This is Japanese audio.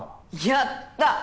やった！